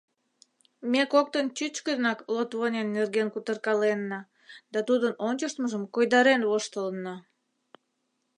Ме коктын чӱчкыдынак Лотвонен нерген кутыркаленна да тудын ончыштмыжым койдарен воштылынна.